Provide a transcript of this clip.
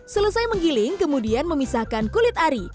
selesai menggiling kemudian memisahkan kulit ari